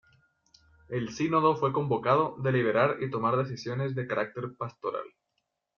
El sínodo fue convocado deliberar y tomar decisiones de carácter pastoral.